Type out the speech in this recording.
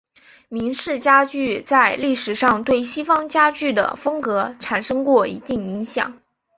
明式家具在历史上对西方家具的风格产生过一定影响。